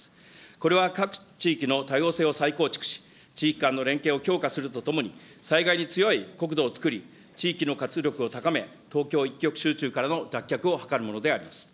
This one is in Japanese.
これは各地域の多様性を再構築し、地域間の連携を強化するとともに、災害に強い国土をつくり、地域の活力を高め、東京一極集中からの脱却を図るものであります。